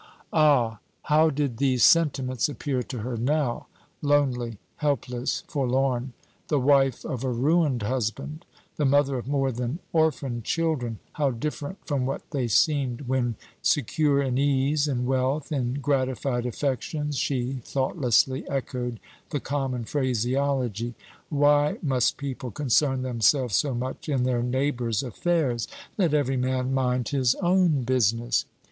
Ah, how did these sentiments appear to her now lonely, helpless, forlorn the wife of a ruined husband, the mother of more than orphan children! How different from what they seemed, when, secure in ease, in wealth, in gratified affections, she thoughtlessly echoed the common phraseology, "Why must people concern themselves so much in their neighbors' affairs? Let every man mind his own business."